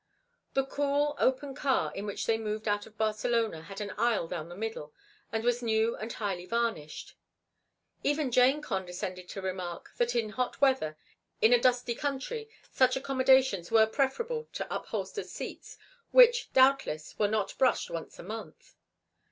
The cool, open car in which they moved out of Barcelona had an aisle down the middle and was new and highly varnished. Even Jane condescended to remark that in hot weather in a dusty country such accommodations were preferable to upholstered seats which, doubtless, were not brushed once a month.